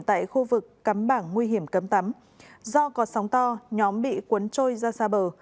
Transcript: tại khu vực cắm bảng nguy hiểm cấm tắm do có sóng to nhóm bị cuốn trôi ra xa bờ